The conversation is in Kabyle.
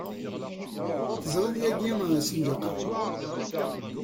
Teẓriḍ yagi ssenǧaq-a?